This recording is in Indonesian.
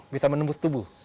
bisa menembus tubuh